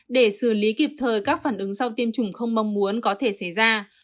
để xử lý kịp thời các phản ứng sau tiêm chủng không mong muốn có thể xảy ra